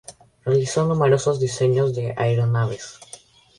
Realizó numerosos diseños de aeronaves.